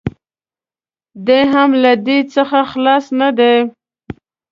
دی هم له دې څخه خلاص نه دی.